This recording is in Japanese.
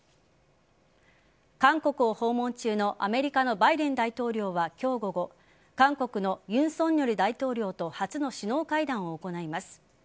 韓国を訪問中のアメリカのバイデン大統領は今日午後韓国の尹錫悦大統領と初の首脳会談を行います。